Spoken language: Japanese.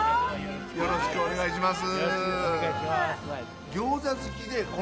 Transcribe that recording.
よろしくお願いします。